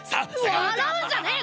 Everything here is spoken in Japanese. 笑うんじゃねえ